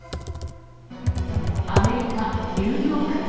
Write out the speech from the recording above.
アメリカ・ニューヨーク。